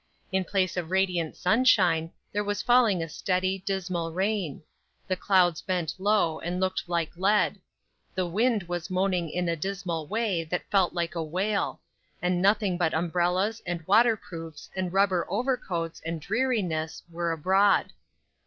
In place of radiant sunshine there was falling a steady, dismal rain; the clouds bent low, and looked like lead; the wind was moaning in a dismal way, that felt like a wail; and nothing but umbrellas, and water proofs, and rubber over coats, and dreariness, were abroad.